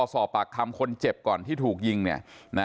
สอบปากคำคนเจ็บก่อนที่ถูกยิงเนี่ยนะ